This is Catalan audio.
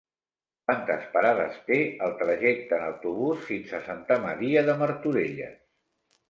Quantes parades té el trajecte en autobús fins a Santa Maria de Martorelles?